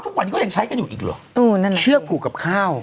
ทุกวันนี้ก็ยังใช้กันอยู่อีกหรอนั่นแหละเชือกผูกกับข้าว